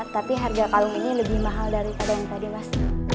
tapi harga kalung ini lebih mahal daripada yang tadi mas